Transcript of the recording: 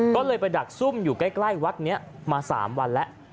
ก็เลยไปดักซุ่มอยู่ใกล้วัดนี้มา๓วันแล้ว